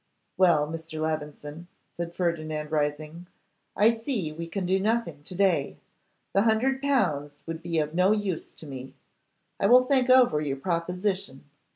'Well, Mr. Levison,' said Ferdinand, rising, 'I see we can do nothing to day. The hundred pounds would be of no use to me. I will think over your proposition.